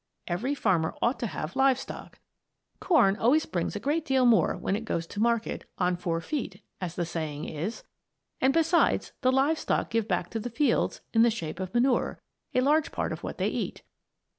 Every farmer ought to have live stock. Corn always brings a great deal more when it goes to market "on four feet," as the saying is; and, besides, the live stock give back to the fields, in the shape of manure, a large part of what they eat.